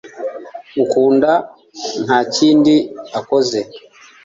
ukunda ntakindi akoze